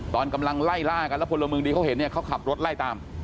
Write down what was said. ตอนกำลังไล่ล่ากันแล้วพลเมืองดีเขาเห็นเนี่ยเขาขับรถไล่ตาม